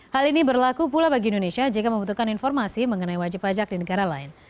hal ini berlaku pula bagi indonesia jika membutuhkan informasi mengenai wajib pajak di negara lain